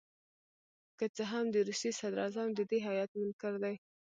که څه هم د روسیې صدراعظم د دې هیات منکر دي.